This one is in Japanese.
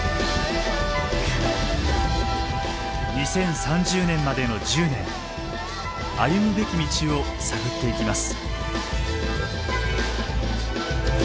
２０３０年までの１０年歩むべき道を探っていきます。